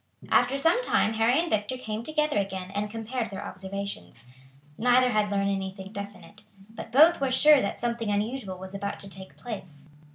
After some time Harry and Victor came together again and compared their observations. Neither had learned anything definite, but both were sure that something unusual was about to take place.